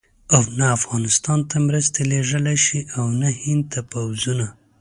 او نه افغانستان ته مرستې لېږلای شي او نه هند ته پوځونه.